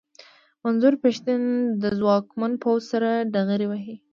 منظور پښتين د ځواکمن پوځ سره ډغرې وهي.